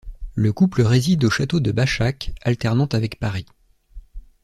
Le couple réside au château de Bachac, alternant avec Paris.